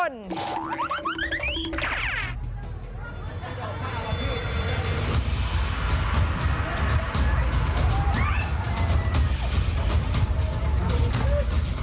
เย้